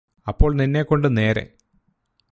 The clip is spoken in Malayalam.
അപ്പോൾ നിന്നെക്കൊണ്ട് നേരെ